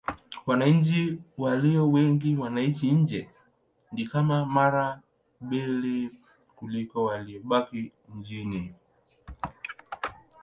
Wananchi walio wengi wanaishi nje: ni kama mara mbili kuliko waliobaki nchini.